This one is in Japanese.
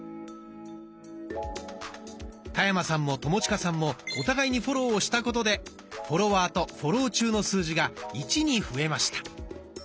田山さんも友近さんもお互いにフォローをしたことでフォロワーとフォロー中の数字が「１」に増えました。